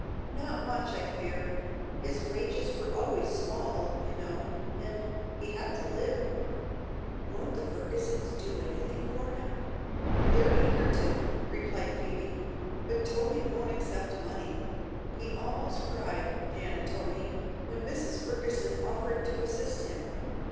"Not much, I fear. His wages were always small, you know, and he had to live." "Won't the Fergusons do anything for him?" "They're eager to," replied Phoebe, "but Toby won't accept money. He almost cried, Janet told me, when Mrs. Ferguson offered to assist him.